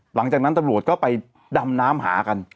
หลังจากนั้นตำรวจก็ไปดำน้ำหากัน